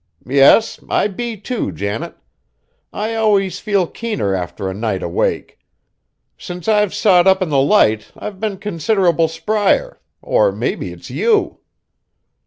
"Yes: I be, too, Janet. I always feel keener after a night awake. Since I've sot up in the Light I've been considerable spryer, or maybe it's you!"